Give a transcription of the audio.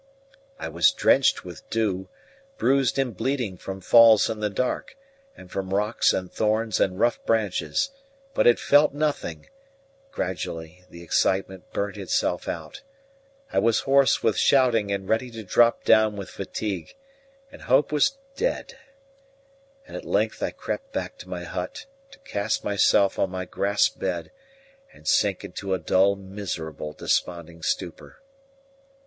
I was drenched with dew, bruised and bleeding from falls in the dark, and from rocks and thorns and rough branches, but had felt nothing; gradually the excitement burnt itself out; I was hoarse with shouting and ready to drop down with fatigue, and hope was dead: and at length I crept back to my hut, to cast myself on my grass bed and sink into a dull, miserable, desponding stupor.